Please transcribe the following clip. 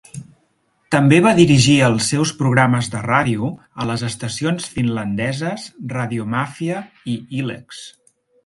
També va dirigir els seus programes de ràdio a les estacions finlandeses "Radiomafia" i "YleX".